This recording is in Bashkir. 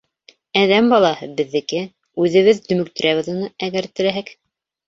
Әҙәм балаһы — беҙҙеке; үҙебеҙ дөмөктөрәбеҙ уны, әгәр теләһәк.